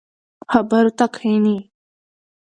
خبرو ته کښیني.